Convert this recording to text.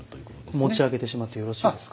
持ち上げてしまってよろしいですか。